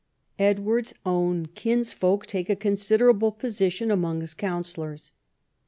Edward's own kinsfolk take a considerable position among his counsellors.